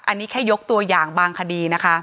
อันนี้แค่ยกตัวอย่างบางคดีนะคะ